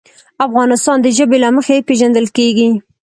افغانستان د ژبې له مخې پېژندل کېږي.